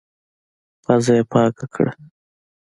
پزه يې پاکه کړه.